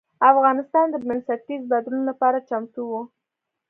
افغانستان د بنسټیز بدلون لپاره چمتو و.